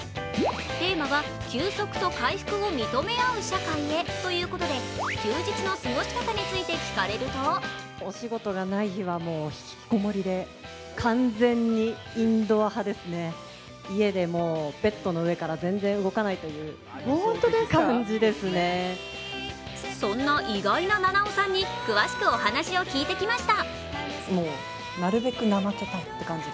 テーマは「休息と回復を認め合う社会へ」ということで、休日の過ごし方について聞かれるとそんな意外な菜々緒さんに詳しく話を聞いてきました。